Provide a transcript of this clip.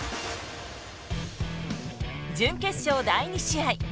準決勝第２試合。